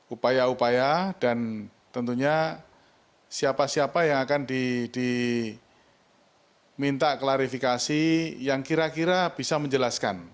upaya upaya dan tentunya siapa siapa yang akan diminta klarifikasi yang kira kira bisa menjelaskan